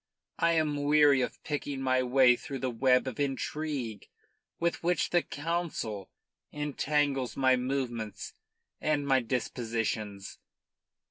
I am weary of picking my way through the web of intrigue with which the Council entangles my movements and my dispositions.